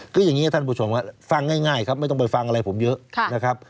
คืออย่างนี้ท่านผู้ชมครับฟังง่ายครับไม่ต้องไปฟังอะไรผมเยอะนะครับ